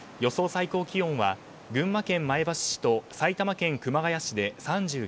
最高気温は、群馬県前橋市と埼玉県熊谷市で３９度。